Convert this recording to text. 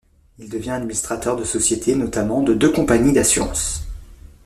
Il devient administrateur de sociétés, notamment de deux compagnies d'assurance.